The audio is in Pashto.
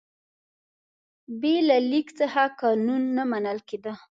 بې له لیک څخه قانون نه منل کېده.